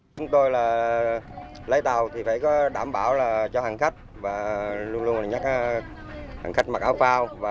chúng tôi là lái tàu thì phải có đảm bảo cho hàng khách và luôn luôn nhắc hàng khách mặc áo phát